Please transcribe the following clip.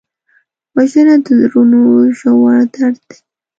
وژنه د زړونو ژور درد دی